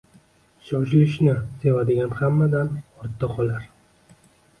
Shoshilishni sevadigan hammadan ortda qolar